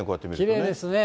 きれいですね。